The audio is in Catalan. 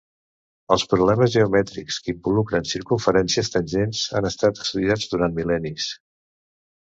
Els problemes geomètrics que involucren circumferències tangents han estat estudiats durant mil·lennis.